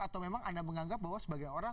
atau memang anda menganggap bahwa sebagai orang